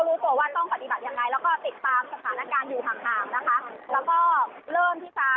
รวมทั้งเมื่อกี้นะคะแม้ว่าจะมีปัญหาการจราจรติดขัดมากมายก็ตาม